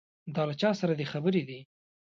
دا له چا سره دې خبرې دي.